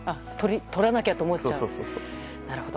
とらなきゃって思っちゃう。